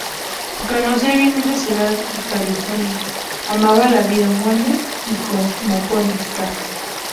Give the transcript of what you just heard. Conocía bien esa ciudad y California, amaba la vida muelle y cosmopolita.